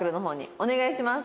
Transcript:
お願いします。